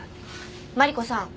マリコさん。